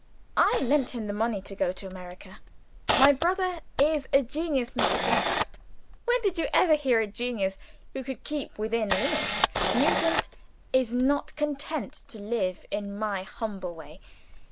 "I lent him the money to go to America. My brother is a genius, Mr. Finch. When did you ever hear of a genius who could keep within limits? Nugent is not content to live in my humble way.